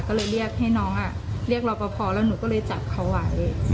ก็เลยเรียกให้น้องเรียกรอปภแล้วหนูก็เลยจับเขาไว้